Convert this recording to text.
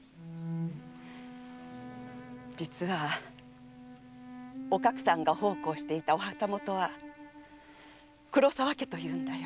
実はおかくさんが奉公していたお旗本は黒沢家というんだよ。